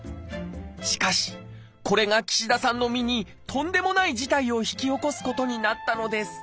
しかしこれが岸田さんの身にとんでもない事態を引き起こすことになったのです